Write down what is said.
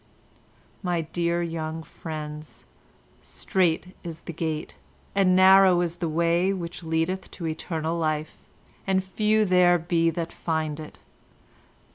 "My dear young friends, strait is the gate, and narrow is the way which leadeth to Eternal Life, and few there be that find it.